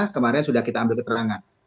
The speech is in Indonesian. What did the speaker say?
kemarin sudah kita ambil keterangan